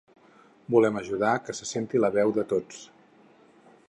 Volem ajudar que se senti la veu de tots.